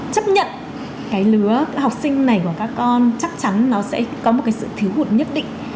chấp nhận cái lứa học sinh này của các con chắc chắn nó sẽ có một cái sự thiếu hụt nhất định